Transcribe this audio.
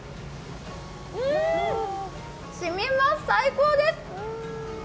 うーん、染みます、最高です！